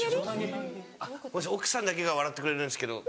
・奥さんだけが笑ってくれるんですけど。